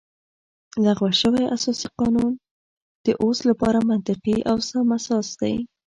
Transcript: لغوه شوی اساسي قانون د اوس لپاره منطقي او سم اساس دی